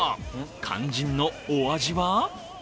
肝心のお味は？